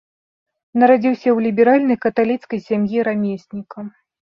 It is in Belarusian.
Нарадзіўся ў ліберальнай каталіцкай сям'і рамесніка.